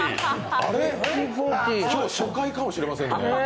あれ、今日、初回かもしれませんね。